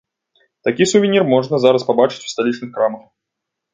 Такі сувенір можна зараз пабачыць у сталічных крамах.